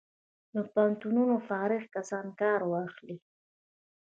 له پوهنتونونو فارغ کسان کار واخلي.